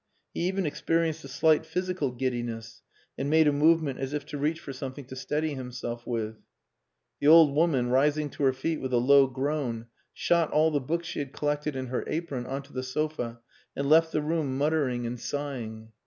He even experienced a slight physical giddiness and made a movement as if to reach for something to steady himself with. The old woman, rising to her feet with a low groan, shot all the books she had collected in her apron on to the sofa and left the room muttering and sighing.